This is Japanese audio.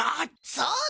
そうだ！